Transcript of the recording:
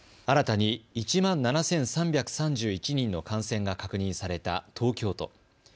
新たに１万７３３１人の感染が確認された東京都。